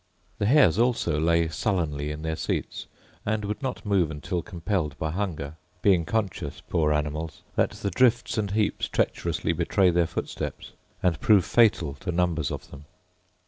The hares also lay sullenly in their seats, and would not move until compelled by hunger; being conscious, poor animals, that the drifts and heaps treacherously betray their footsteps, and prove fatal to numbers of them.